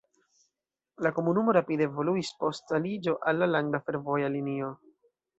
La komunumo rapide evoluis post aliĝo al la landa fervoja linio.